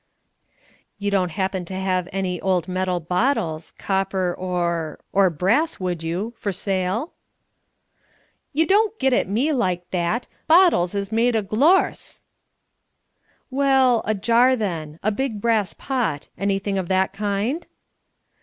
"You don't happen to have any old metal bottles copper or or brass would do for sale?" "You don't git at me like that! Bottles is made o' glorss." "Well, a jar, then a big brass pot anything of that kind?"